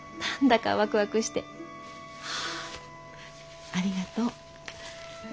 はあありがとう。